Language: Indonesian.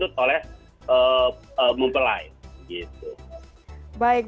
dibandut oleh mumpel lain